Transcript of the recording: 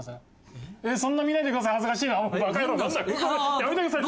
やめてください。